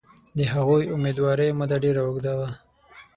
د هغوی امیندوارۍ موده ډېره اوږده وه.